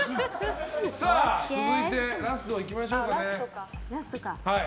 続いて、ラストいきましょうか。